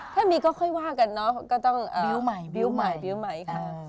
ถ้ามีก็ค่อยว่ากันเนาะก็ต้องบิ้วใหม่บิวต์ใหม่บิ้วใหม่ค่ะ